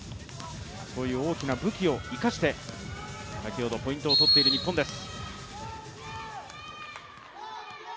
そういう大きな武器を生かして先ほどポイントを取っている日本です。